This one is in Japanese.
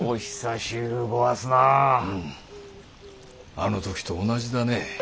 あの時と同じだね。